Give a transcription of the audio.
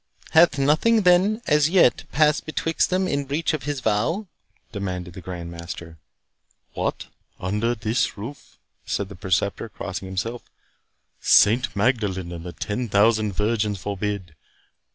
"Hath nothing, then, as yet passed betwixt them in breach of his vow?" demanded the Grand Master. "What! under this roof?" said the Preceptor, crossing himself; "Saint Magdalene and the ten thousand virgins forbid!